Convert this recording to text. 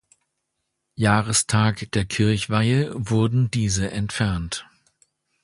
Jahrestag der Kirchweihe wurden diese entfernt.